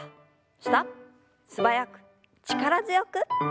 素早く力強く。